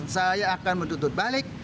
saya akan menuntut balik